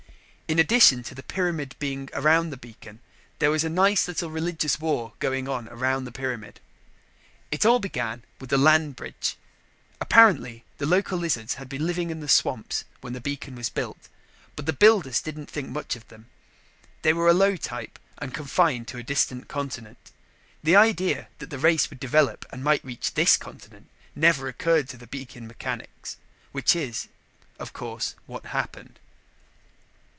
In addition to the pyramid being around the beacon, there was a nice little religious war going on around the pyramid. It all began with the land bridge. Apparently the local lizards had been living in the swamps when the beacon was built, but the builders didn't think much of them. They were a low type and confined to a distant continent. The idea that the race would develop and might reach this continent never occurred to the beacon mechanics. Which is, of course, what happened.